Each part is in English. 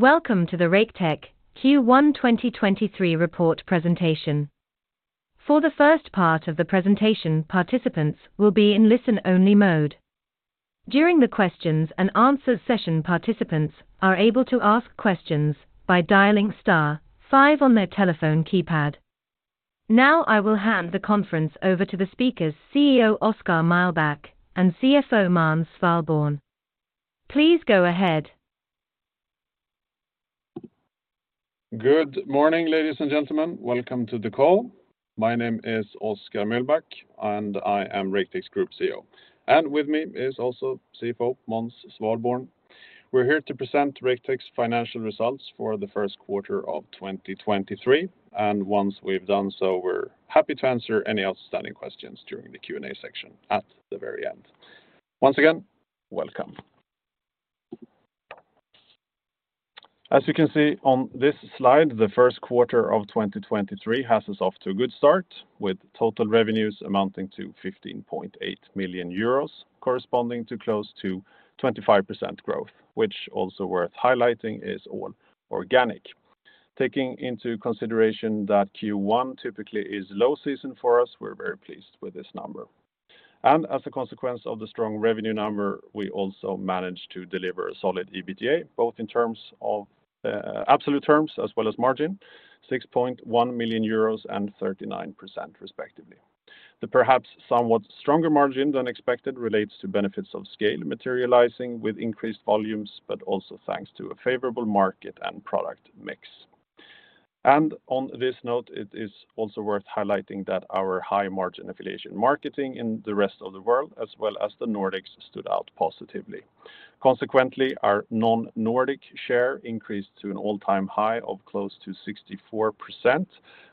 Welcome to the Raketech Q1 2023 report presentation. For the first part of the presentation, participants will be in listen-only mode. During the questions-and-answers session, participants are able to ask questions by dialing star five on their telephone keypad. Now I will hand the conference over to the speakers, CEO Oskar Mühlbach and CFO Måns Svalborn. Please go ahead. Good morning, ladies and gentlemen. Welcome to the call. My name is Oskar Mühlbach, and I am Raketech Group CEO. With me is also CFO Måns Svalborn. We're here to present Raketech's financial results for the first quarter of 2023. Once we've done so, we're happy to answer any outstanding questions during the Q&A section at the very end. Once again, welcome. As you can see on this slide, the 1st quarter of 2023 has us off to a good start with total revenues amounting to 15.8 million euros, corresponding to close to 25% growth, which also worth highlighting is all organic. Taking into consideration that Q1 typically is low season for us, we're very pleased with this number. As a consequence of the strong revenue number, we also managed to deliver solid EBITDA, both in terms of absolute terms as well as margin, 6.1 million euros and 39% respectively. The perhaps somewhat stronger margin than expected relates to benefits of scale materializing with increased volumes, but also thanks to a favorable market and product mix. On this note, it is also worth highlighting that our high-margin affiliation marketing in the rest of the world as well as the Nordics, stood out positively. Consequently, our non-Nordic share increased to an all-time high of close to 64%,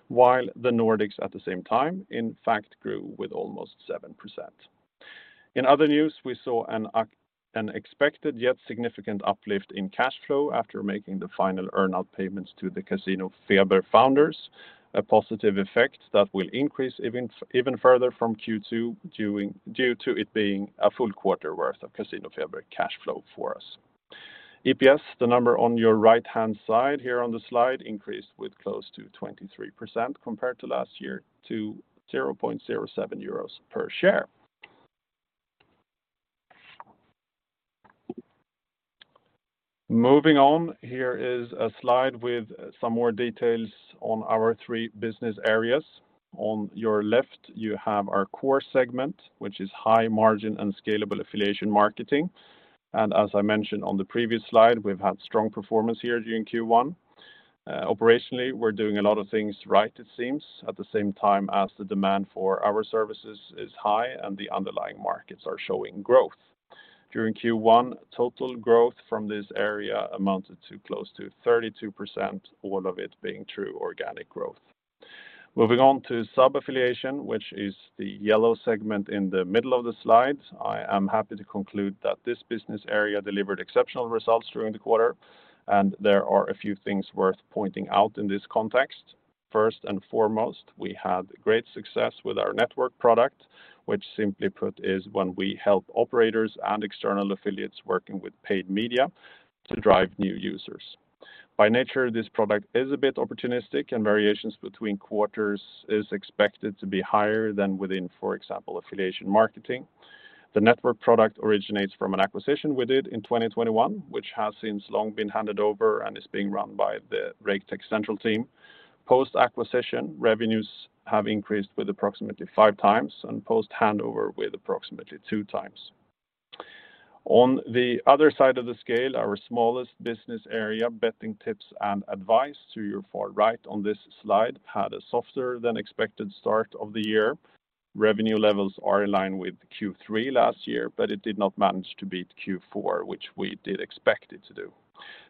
while the Nordics at the same time in fact grew with almost 7%. In other news, we saw an expected yet significant uplift in cash flow after making the final earn-out payments to the CasinoFeber founders, a positive effect that will increase even further from Q2 due to it being a full quarter's worth of CasinoFeber cash flow for us. EPS, the number on your right-hand side here on the slide, increased with close to 23% compared to last year to 0.07 euros per share. Here is a slide with some more details on our three business areas. On your left, you have our core segment, which is high-margin and scalable affiliation marketing. As I mentioned on the previous slide, we've had strong performance here during Q1. Operationally, we're doing a lot of things right, it seems, at the same time as the demand for our services is high and the underlying markets are showing growth. During Q1, total growth from this area amounted to close to 32%, all of it being true organic growth. Moving on to sub-affiliation, which is the yellow segment in the middle of the slide, I am happy to conclude that this business area delivered exceptional results during the quarter, and there are a few things worth pointing out in this context. First and foremost, we had great success with our network product, which simply put is when we help operators and external affiliates working with paid media to drive new users. By nature, this product is a bit opportunistic, and variations between quarters is expected to be higher than within, for example, affiliation marketing. The network product originates from an acquisition we did in 2021, which has since long been handed over and is being run by the Raketech central team. Post-acquisition, revenues have increased with approximately 5x and post-handover with approximately 2x. On the other side of the scale, our smallest business area, betting tips and advice, to your far right on this slide, had a softer-than-expected start of the year. Revenue levels are in line with Q3 last year, but it did not manage to beat Q4, which we did expect it to do.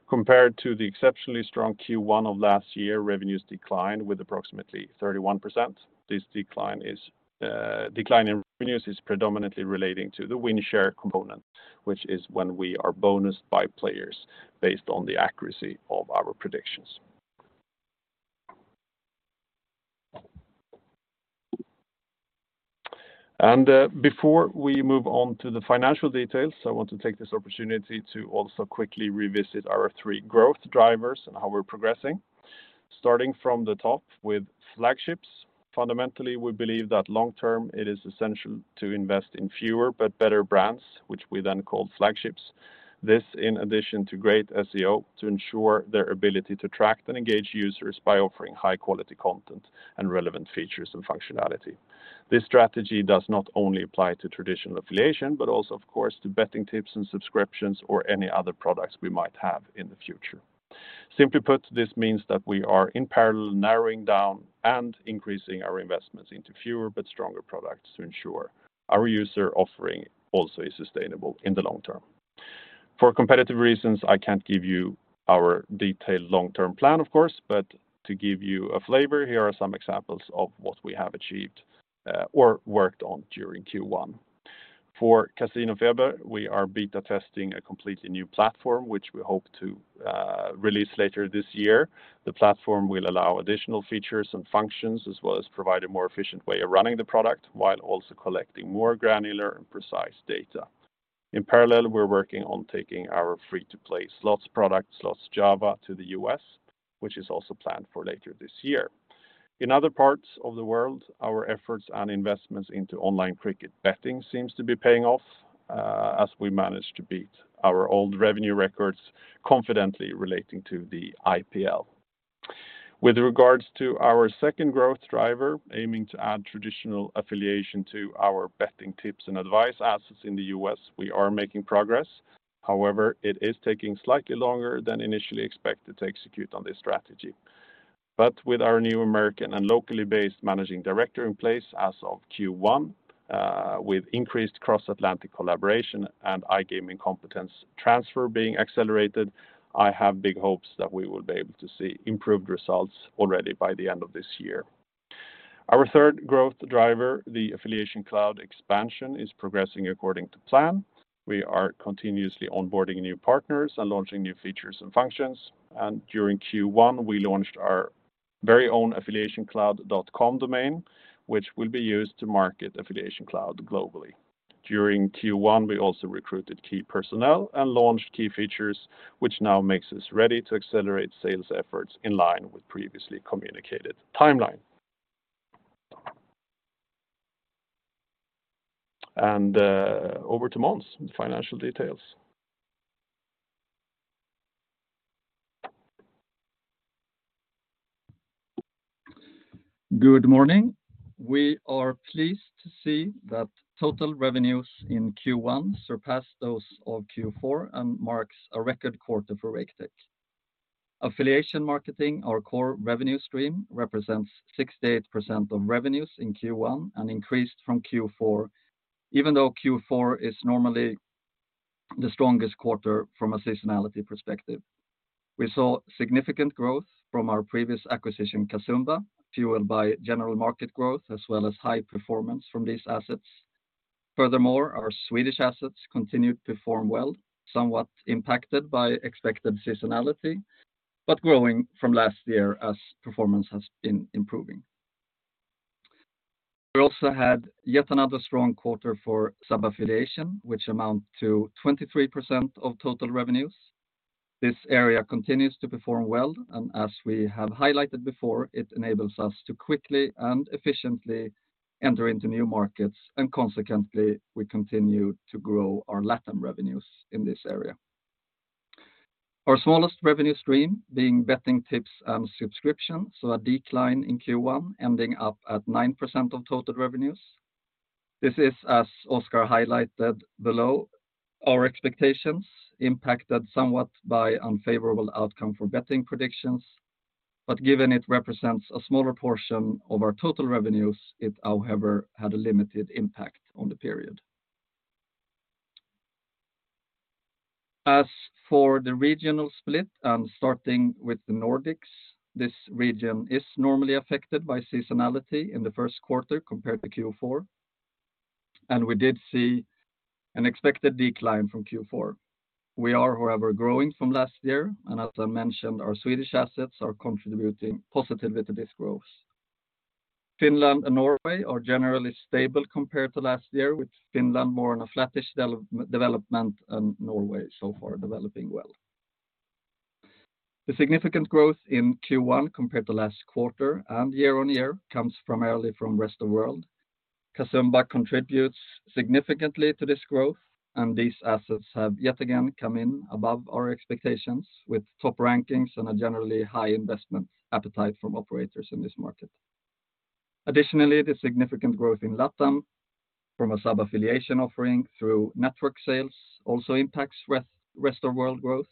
Compared to the exceptionally strong Q1 of last year, revenues declined with approximately 31%. This decline in revenues is predominantly relating to the win share component, which is when we are bonused by players based on the accuracy of our predictions. Before we move on to the financial details, I want to take this opportunity to also quickly revisit our three growth drivers and how we're progressing. Starting from the top with flagships, fundamentally, we believe that long-term it is essential to invest in fewer but better brands, which we then call flagships. This in addition to great SEO to ensure their ability to track and engage users by offering high-quality content and relevant features and functionality. This strategy does not only apply to traditional affiliation, but also of course to betting tips and subscriptions or any other products we might have in the future. Simply put, this means that we are in parallel narrowing down and increasing our investments into fewer but stronger products to ensure our user offering also is sustainable in the long-term. For competitive reasons, I can't give you our detailed long-term plan, of course, but to give you a flavor, here are some examples of what we have achieved or worked on during Q1. For CasinoFeber, we are beta testing a completely new platform, which we hope to release later this year. The platform will allow additional features and functions, as well as provide a more efficient way of running the product while also collecting more granular and precise data. In parallel, we're working on taking our free-to-play slots product, Slotjava, to the U.S. Which is also planned for later this year. In other parts of the world, our efforts and investments into online cricket betting seems to be paying off, as we managed to beat our old revenue records confidently relating to the IPL. With regards to our second growth driver, aiming to add traditional affiliation to our betting tips and advice assets in the U.S., we are making progress. However, it is taking slightly longer than initially expected to execute on this strategy. With our new American and locally based managing director in place as of Q1, with increased cross-Atlantic collaboration and iGaming competence transfer being accelerated, I have big hopes that we will be able to see improved results already by the end of this year. Our third growth driver, the AffiliationCloud expansion, is progressing according to plan. We are continuously onboarding new partners and launching new features and functions. During Q1, we launched our very own affiliationcloud.com domain, which will be used to market AffiliationCloud globally. During Q1, we also recruited key personnel and launched key features, which now makes us ready to accelerate sales efforts in line with previously communicated timeline. Over to Måns with financial details. Good morning. We are pleased to see that total revenues in Q1 surpassed those of Q4 and marks a record quarter for Raketech. Affiliation marketing, our core revenue stream, represents 68% of revenues in Q1 and increased from Q4, even though Q4 is normally the strongest quarter from a seasonality perspective. We saw significant growth from our previous acquisition, Casumba, fueled by general market growth as well as high performance from these assets. Furthermore, our Swedish assets continued to perform well, somewhat impacted by expected seasonality, but growing from last year as performance has been improving. We also had yet another strong quarter for sub-affiliation, which amounts to 23% of total revenues. This area continues to perform well, and as we have highlighted before, it enables us to quickly and efficiently enter into new markets, and consequently, we continue to grow our LATAM revenues in this area. Our smallest revenue stream being betting tips and subscriptions, saw a decline in Q1, ending up at 9% of total revenues. This is, as Oskar highlighted below, our expectations impacted somewhat by unfavorable outcome for betting predictions, given it represents a smaller portion of our total revenues, it however, had a limited impact on the period. As for the regional split, starting with the Nordics, this region is normally affected by seasonality in the first quarter compared to Q4, we did see an expected decline from Q4. We are, however, growing from last year, as I mentioned, our Swedish assets are contributing positively to this growth. Finland and Norway are generally stable compared to last year, with Finland more in a flattish development and Norway so far developing well. The significant growth in Q1 compared to last quarter and year-on-year comes primarily from rest of world. Casumba contributes significantly to this growth, and these assets have yet again come in above our expectations with top rankings and a generally high investment appetite from operators in this market. Additionally, the significant growth in LATAM from a sub-affiliation offering through network sales also impacts Rest of World growth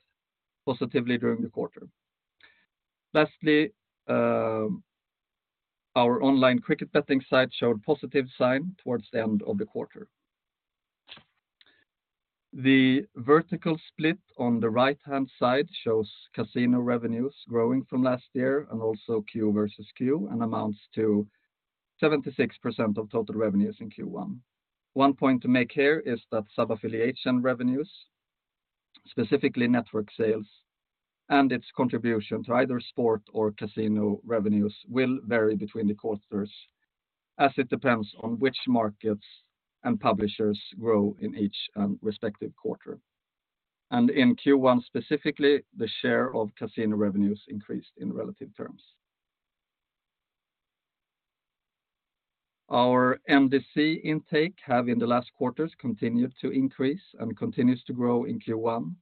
positively during the quarter. Lastly, our online cricket betting site showed positive sign towards the end of the quarter. The vertical split on the right-hand side shows casino revenues growing from last year and also Q versus Q, and amounts to 76% of total revenues in Q1. One point to make here is that sub-affiliation revenues, specifically network sales and its contribution to either sport or casino revenues, will vary between the quarters as it depends on which markets and publishers grow in each respective quarter. In Q1 specifically, the share of casino revenues increased in relative terms. Our MDC intake have in the last quarters continued to increase and continues to grow in Q1.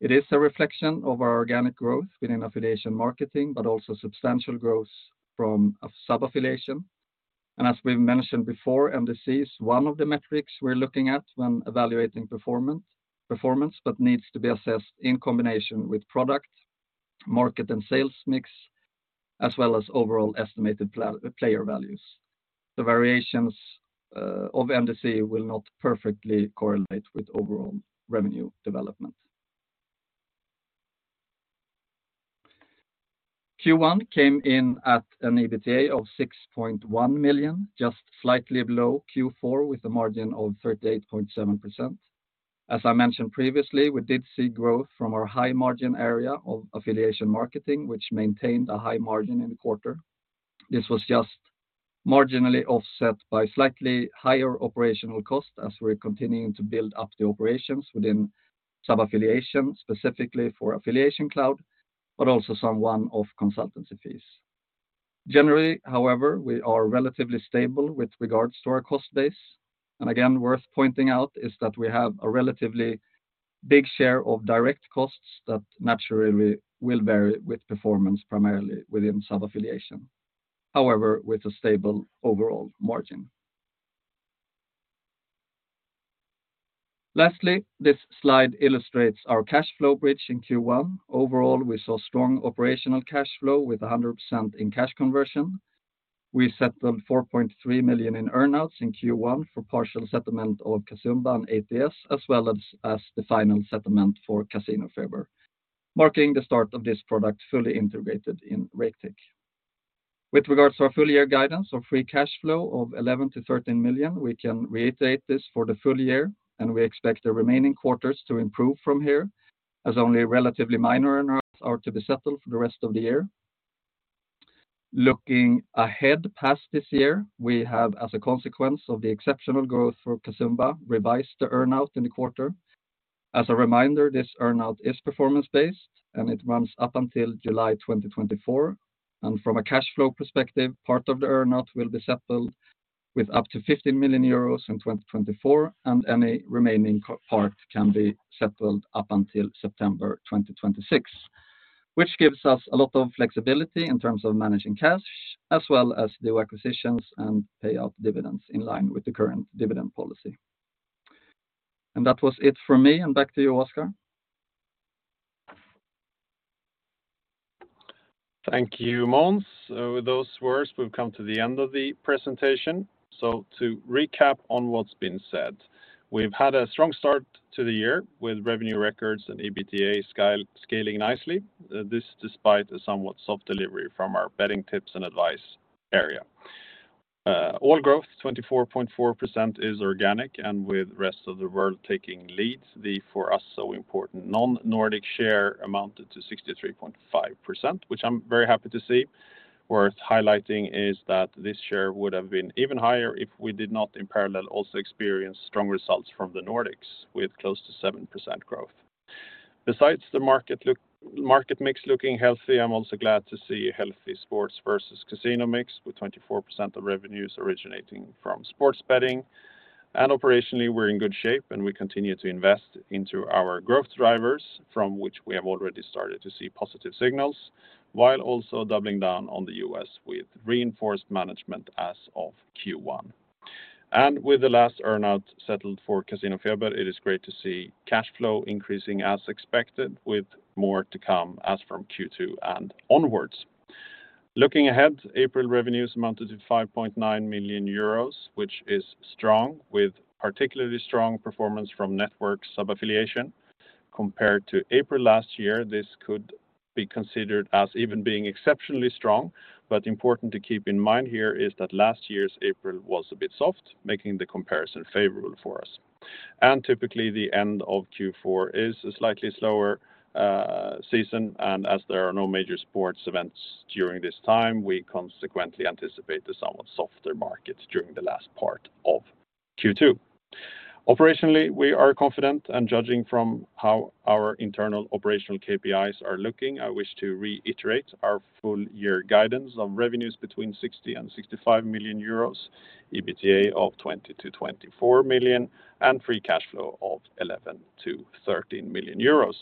It is a reflection of our organic growth within affiliation marketing, but also substantial growth from a sub-affiliation. As we mentioned before, MDC is one of the metrics we're looking at when evaluating performance, but needs to be assessed in combination with product, market, and sales mix, as well as overall estimated player values. The variations of MDC will not perfectly correlate with overall revenue development. Q1 came in at an EBITDA of 6.1 million, just slightly below Q4 with a margin of 38.7%. As I mentioned previously, we did see growth from our high-margin area of affiliation marketing, which maintained a high margin in the quarter. This was marginally offset by slightly higher operational cost as we're continuing to build up the operations within sub-affiliation, specifically for AffiliationCloud, but also some one-off consultancy fees. Generally, however, we are relatively stable with regards to our cost base. Again, worth pointing out is that we have a relatively big share of direct costs that naturally will vary with performance, primarily within sub-affiliation. However, with a stable overall margin. Lastly, this slide illustrates our cash flow bridge in Q1. Overall, we saw strong operational cash flow with 100% in cash conversion. We settled 4.3 million in earn-outs in Q1 for partial settlement of Casumba and ATS, as well as the final settlement for CasinoFeber, marking the start of this product fully integrated in Raketech. With regards to our full-year guidance of free cash flow of 11 million-13 million, we can reiterate this for the full-year. We expect the remaining quarters to improve from here as only relatively minor earn-outs are to be settled for the rest of the year. Looking ahead past this year, we have, as a consequence of the exceptional growth for Casumba, revised the earn-out in the quarter. As a reminder, this earn-out is performance-based, and it runs up until July 2024. From a cash flow perspective, part of the earn-out will be settled with up to 50 million euros in 2024, and any remaining co-part can be settled up until September 2026, which gives us a lot of flexibility in terms of managing cash, as well as do acquisitions and pay out dividends in line with the current dividend policy. That was it from me, and back to you, Oskar. Thank you, Måns. With those words, we've come to the end of the presentation. To recap on what's been said, we've had a strong start to the year with revenue records and EBITDA scale, scaling nicely. This despite a somewhat soft delivery from our betting tips and advice area. All growth, 24.4% is organic, with rest of the world taking leads, the for us so important non-Nordic share amounted to 63.5%, which I'm very happy to see. Worth highlighting is that this share would have been even higher if we did not in parallel also experienced strong results from the Nordics with close to 7% growth. Besides the market mix looking healthy, I'm also glad to see healthy sports versus casino mix, with 24% of revenues originating from sports betting. Operationally, we're in good shape, we continue to invest into our growth drivers, from which we have already started to see positive signals, while also doubling down on the U.S. with reinforced management as of Q1. With the last earn-out settled for CasinoFeber, it is great to see cash flow increasing as expected, with more to come as from Q2 and onwards. Looking ahead, April revenues amounted to 5.9 million euros, which is strong, with particularly strong performance from network sub-affiliation. Compared to April last year, this could be considered as even being exceptionally strong. Important to keep in mind here is that last year's April was a bit soft, making the comparison favorable for us. Typically, the end of Q4 is a slightly slower season, and as there are no major sports events during this time, we consequently anticipate the somewhat softer markets during the last part of Q2. Operationally, we are confident, and judging from how our internal operational KPIs are looking, I wish to reiterate our full-year guidance on revenues between 60 million and 65 million euros, EBITDA of 20 million to 24 million, and free cash flow of 11 million to 13 million euros.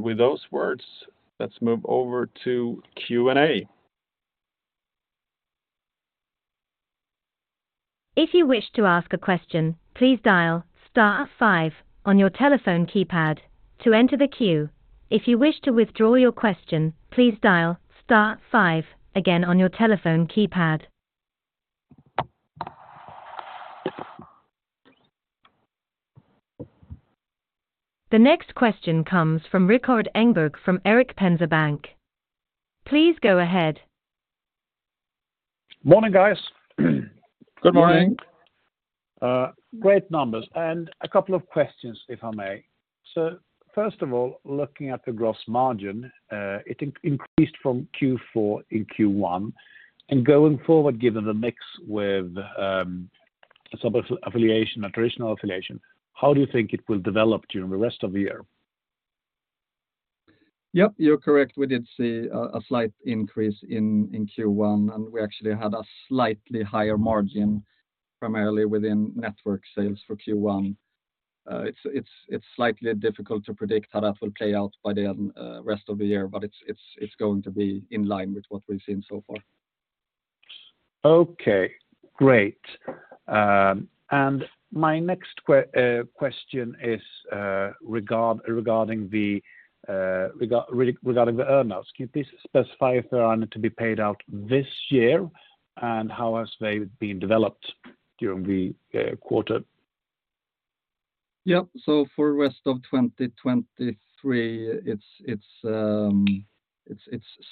With those words, let's move over to Q&A. If you wish to ask a question, please dial star five on your telephone keypad to enter the queue. If you wish to withdraw your question, please dial star five again on your telephone keypad. The next question comes from Rikard Engberg from Erik Penser Bank. Please go ahead. Morning, guys. Good morning. Good morning. Great numbers. A couple of questions, if I may? First of all, looking at the gross margin, it increased from Q4 in Q1. Going forward, given the mix with sub-affiliation and traditional affiliation, how do you think it will develop during the rest of the year? Yep, you're correct. We did see a slight increase in Q1, and we actually had a slightly higher margin primarily within network sales for Q1. It's slightly difficult to predict how that will play out by the end, rest of the year, but it's going to be in line with what we've seen so far. Okay, great. My next question is regarding the earn-outs. Can you please specify if there are any to be paid out this year, and how has they been developed during the quarter? Yep. For rest of 2023, it's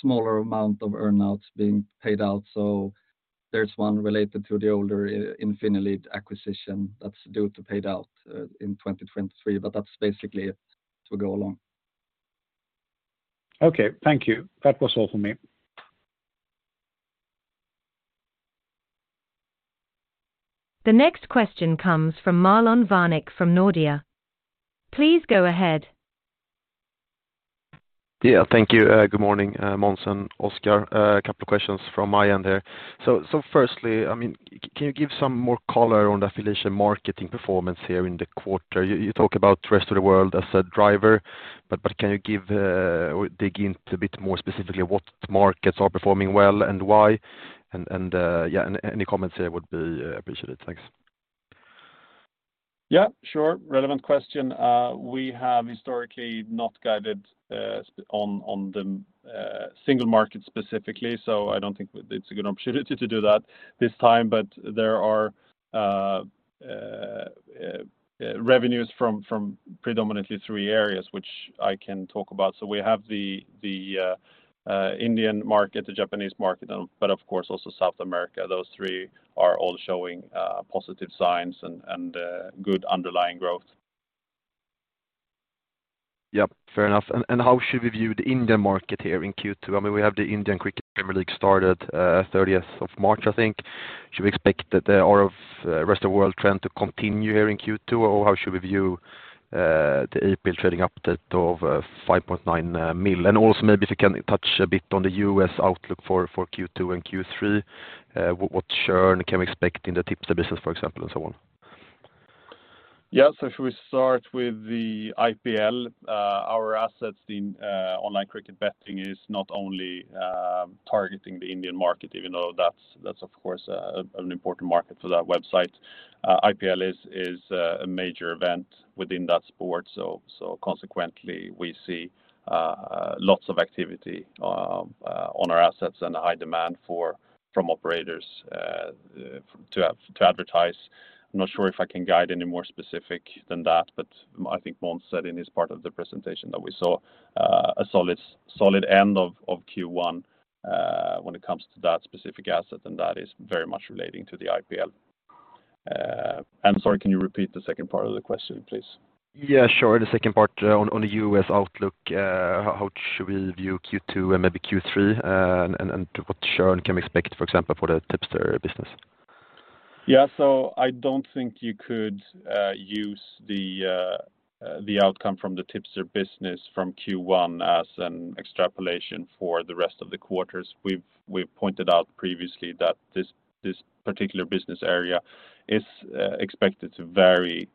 smaller amount of earn-outs being paid out. There's one related to the older Infinileads acquisition that's due to paid out in 2023, that's basically it to go along. Okay, thank you. That was all for me. The next question comes from Marlon Värnik from Nordea. Please go ahead. Yeah, thank you. Good morning, Måns and Oskar. A couple of questions from my end here. Firstly, I mean, can you give some more color on the affiliation marketing performance here in the quarter? You talk about rest of the world as a driver, but can you give, or dig into a bit more specifically what markets are performing well and why? Yeah, any comments here would be appreciated. Thanks. Yeah, sure. Relevant question. We have historically not guided on the single market specifically, so I don't think it's a good opportunity to do that this time. But there are revenues from predominantly three areas which I can talk about. So we have the Indian market, the Japanese market, but of course also South America. Those three are all showing positive signs and good underlying growth. Fair enough. How should we view the Indian market here in Q2? I mean, we have the Indian Cricket Premier League started, 30th of March, I think. Should we expect that the RF rest of world trend to continue here in Q2, or how should we view the April trading update of 5.9 million? Maybe if you can touch a bit on the U.S. outlook for Q2 and Q3, what churn can we expect in the tipster business, for example, and so on. Yeah. Should we start with the IPL? Our assets in online cricket betting is not only targeting the Indian market, even though that's of course, an important market for that website. IPL is a major event within that sport. Consequently, we see lots of activity on our assets and a high demand for from operators to advertise. I'm not sure if I can guide any more specific than that, but I think Måns said in his part of the presentation that we saw a solid end of Q1 when it comes to that specific asset, and that is very much relating to the IPL. I'm sorry, can you repeat the second part of the question, please? Yeah, sure. The second part on the U.S. outlook, how should we view Q2 and maybe Q3, and what churn can we expect, for example, for the tipster business? Yeah. I don't think you could use the outcome from the tipster business from Q1 as an extrapolation for the rest of the quarters. We've pointed out previously that this particular business area is expected to vary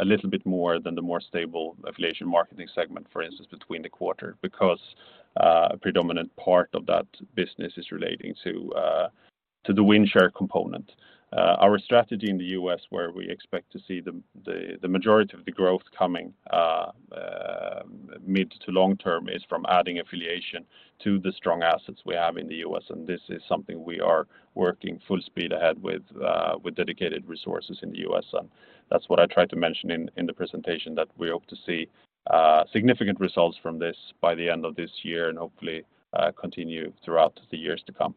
a little bit more than the more stable affiliation marketing segment, for instance, between the quarter. A predominant part of that business is relating to the revenue share component. Our strategy in the U.S, where we expect to see the majority of the growth coming mid to long-term, is from adding affiliation to the strong assets we have in the U.S. This is something we are working full speed ahead with dedicated resources in the U.S. That's what I tried to mention in the presentation, that we hope to see significant results from this by the end of this year and hopefully continue throughout the years to come.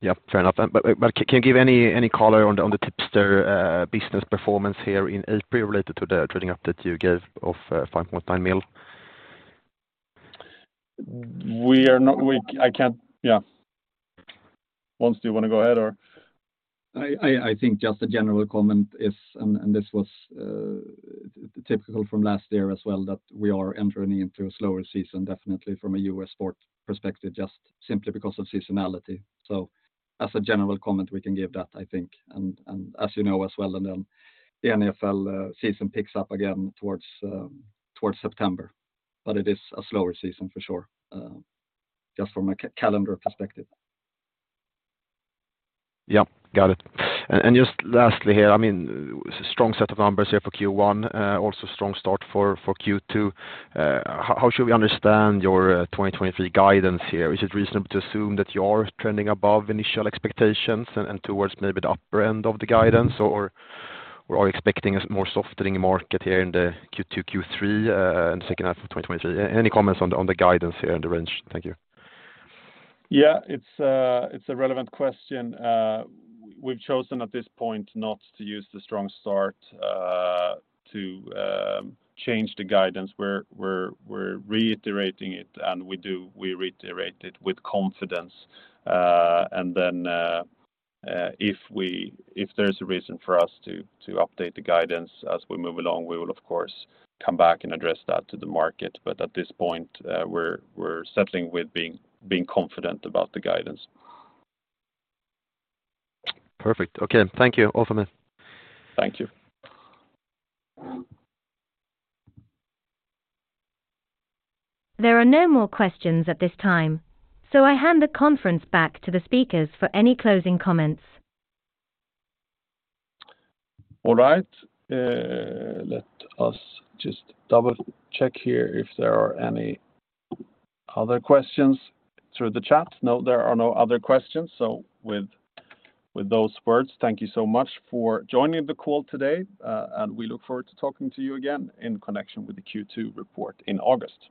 Yeah, fair enough. Can you give any color on the tipster business performance here in April related to the trading update you gave of 5.9 million? I can't. Yeah. Måns, do you want to go ahead or? I think just a general comment is, and this was typical from last year as well, that we are entering into a slower season, definitely from a U.S. sport perspective, just simply because of seasonality. As a general comment, we can give that, I think. As you know as well, the NFL season picks up again towards September. It is a slower season for sure, just from a calendar perspective. Yeah, got it. And just lastly here, I mean, strong set of numbers here for Q1, also strong start for Q2. How should we understand your 2023 guidance here? Is it reasonable to assume that you are trending above initial expectations and towards maybe the upper end of the guidance? Or are you expecting a more softening market here in the Q2, Q3, and second half of 2023? Any comments on the guidance here and the range? Thank you. Yeah, it's a, it's a relevant question. We've chosen at this point not to use the strong start to change the guidance. We're reiterating it, and we reiterate it with confidence. Then, if there's a reason for us to update the guidance as we move along, we will of course, come back and address that to the market. At this point, we're settling with being confident about the guidance. Perfect. Okay. Thank you. All for me. Thank you. There are no more questions at this time, so I hand the conference back to the speakers for any closing comments. All right. Let us just double-check here if there are any other questions through the chat. There are no other questions. With those words, thank you so much for joining the call today, we look forward to talking to you again in connection with the Q2 report in August.